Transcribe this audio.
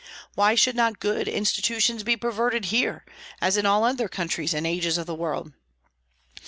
Why should not good institutions be perverted here, as in all other countries and ages of the world?